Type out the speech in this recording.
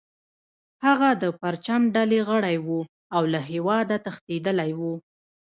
هغه د پرچم ډلې غړی و او له هیواده تښتیدلی و